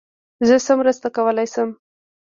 زه څه مرسته کولای سم.